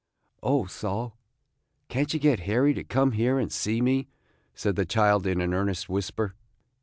"O Sol, can't you get Harry to come here and see me?" said the child, in an earnest whisper.